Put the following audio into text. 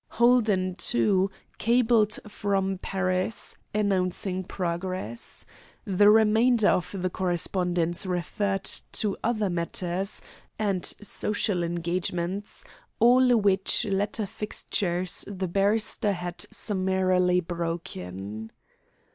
Holden, too, cabled from Paris, announcing progress. The remainder of the correspondence referred to other matters and social engagements, all which latter fixtures the barrister had summarily broken.